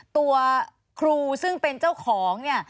ตัวครูซึ่งเป็นเจ้าของเนี่ย